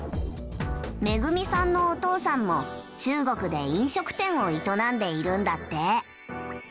惠美さんのお父さんも中国で飲食店を営んでいるんだって。